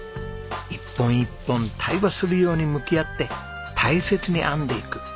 一本一本対話するように向き合って大切に編んでいく。